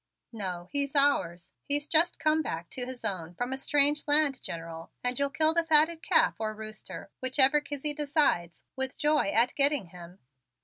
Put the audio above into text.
"No, he's ours. He's just come back to his own from a strange land, General, and you'll kill the fatted calf or rooster, whichever Kizzie decides, with joy at getting him."